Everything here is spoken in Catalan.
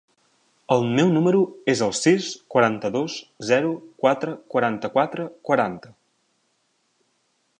El meu número es el sis, quaranta-dos, zero, quatre, quaranta-quatre, quaranta.